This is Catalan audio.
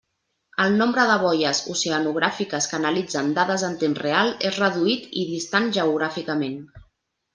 El nombre de boies oceanogràfiques que analitzen dades en temps real és reduït i distant geogràficament.